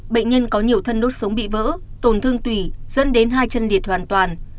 bệnh nhân có nhiều thân đốt sống bị vỡ tổn thương tùy dẫn đến hai chân liệt hoàn toàn